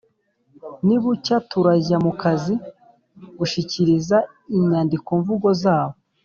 Ni bucya turajya mu kazi gushyikiriza inyandikomvugo zabo